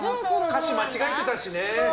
歌詞間違えてたしね。